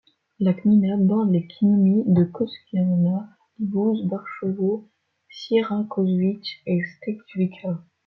La gmina borde les gminy de Kościerzyna, Lipusz, Parchowo, Sierakowice et Stężyca.